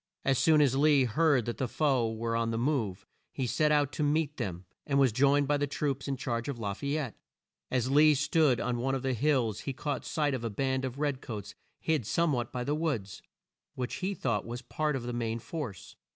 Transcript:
As soon as Lee heard that the foe were on the move, he set out to meet them, and was joined by the troops in charge of La fay ette. As Lee stood on one of the hills he caught sight of a band of red coats hid some what by the woods, which he thought was a part of the main force.